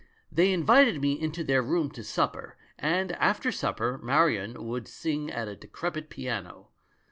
They invit ed me into their room to supper, and after supper Marion would sing at a decrepit piano.